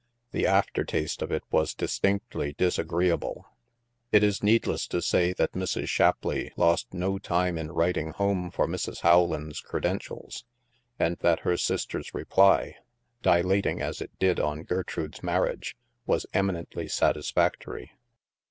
The after taste of it was distinctly disagreeable. It is needless to say that Mrs. Shapleigh lost no time in writing home for Mrs. Rowland's creden tials, and that her sister's reply (dilating, as it did, on Gertrude's marriage) , was eminently satisfactory.